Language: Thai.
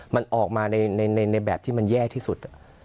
มันออกมาในแบบที่มันแย่ที่สุด